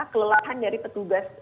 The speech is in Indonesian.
kelelahan dari petugas